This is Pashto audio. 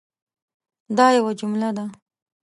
دا یوه جمله ده